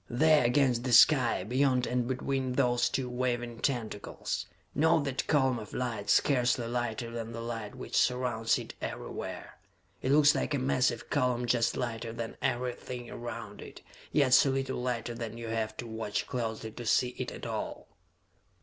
"There against the sky, beyond and between those two waving tentacles! Note that column of light, scarcely lighter than the light which surrounds it everywhere? It looks like a massive column just lighter than everything around it, yet so little lighter that you have to watch closely to see it at all?"